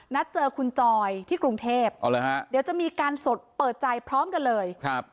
นัดเจอคุณจอยที่กรุงเทพเดี๋ยวจะมีการสดเปิดใจพร้อมกันเลย